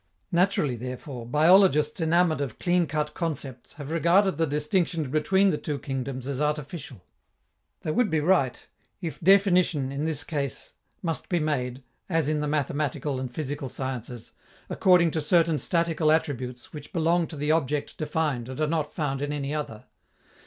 Naturally, therefore, biologists enamored of clean cut concepts have regarded the distinction between the two kingdoms as artificial. They would be right, if definition in this case must be made, as in the mathematical and physical sciences, according to certain statical attributes which belong to the object defined and are not found in any other.